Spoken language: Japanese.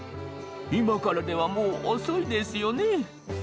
今からではもう遅いですよね？